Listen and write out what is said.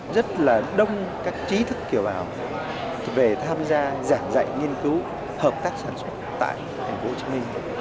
rất là đông các trí thức kiều bào về tham gia giảng dạy nghiên cứu hợp tác sản xuất tại tp hcm